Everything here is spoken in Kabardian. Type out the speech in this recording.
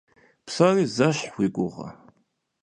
Псори зэщхь уи гугъэ?